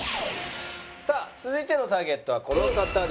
さあ続いてのターゲットはこの方です。